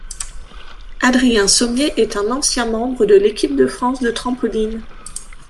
Adrien Sommier est un ancien membre de l'équipe de France de trampoline.